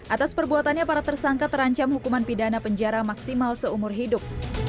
atas perbuatannya para tersangka terancam hukuman pidana penjara maksimal seumur hidup